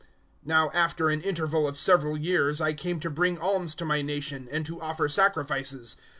024:017 "Now after an interval of several years I came to bring alms to my nation, and to offer sacrifices.